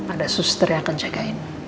ada suster yang akan jagain